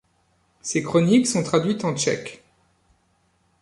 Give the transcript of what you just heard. Ces chroniques sont traduites en tchèque.